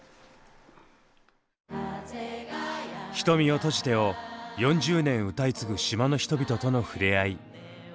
「瞳を閉じて」を４０年歌い継ぐ島の人々とのふれあい。